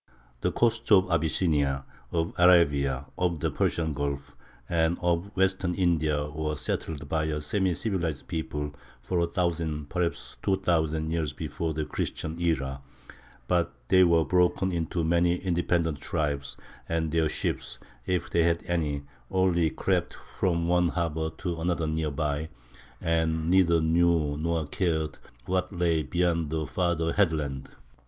The coasts of Abyssinia, of Arabia, of the Persian Gulf, and of western India were settled by a semi civilized people for a thousand, perhaps two thousand, years before the Christian era; but they were broken into many independent tribes; and their ships, if they had any, only crept from one harbor to another near by, and neither knew nor cared what lay beyond the farther headlands.